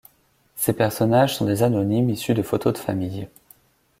Ces personnages sont des anonymes issus de photos de famille.